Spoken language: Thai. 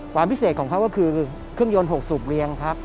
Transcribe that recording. ความพิเศษของเขาก็คือเครื่องยนต์๖สูบเรียงครับ